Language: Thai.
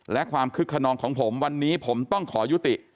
และความคึกขนองของผมวันนี้ผมต้องขอยุติ